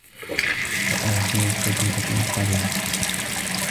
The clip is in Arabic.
وَآخِرُك جِيفَةٌ قَذِرَةٌ